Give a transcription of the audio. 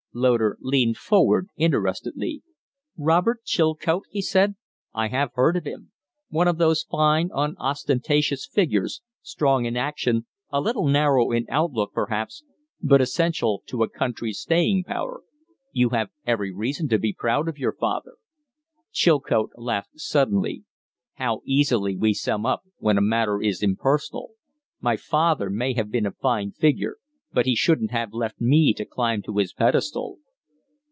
Loder leaned forward interestedly. "Robert Chilcote?" he said. "I have heard of him. One of those fine, unostentatious figures strong in action, a little narrow in outlook, perhaps, but essential to a country's staying power. You have every reason to be proud of your father." Chilcote laughed suddenly. "How easily we sum up, when a matter is impersonal! My father may have been a fine figure, but he shouldn't have left me to climb to his pedestal."